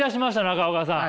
中岡さん。